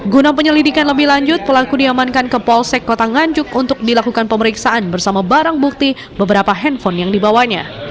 guna penyelidikan lebih lanjut pelaku diamankan ke polsek kota nganjuk untuk dilakukan pemeriksaan bersama barang bukti beberapa handphone yang dibawanya